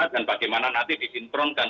dan bagaimana nanti disintronkan